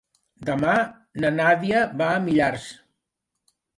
Demà na Nàdia va a Millars.